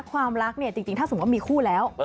ความรักเนี่ยจริงถ้าสมมุติมีคู่แล้ว